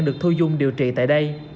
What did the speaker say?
được thu dung điều trị tại đây